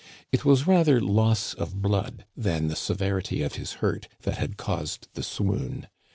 It was rather loss of blood than the severity of his hurt that had caused the swoon.